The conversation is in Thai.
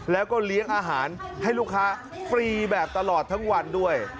แล้วก็เลี้ยงอาหารให้ลูกค้าฟรีแบบตลอดทั้งวันด้วย